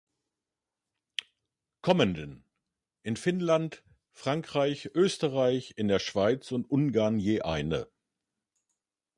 Kommenden; in Finnland, Frankreich, Österreich, in der Schweiz und Ungarn je eine.